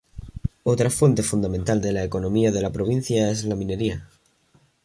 Otra fuente fundamental de la economía de la provincia es la minería.